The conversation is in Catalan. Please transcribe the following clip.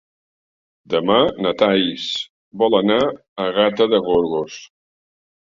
Demà na Thaís vol anar a Gata de Gorgos.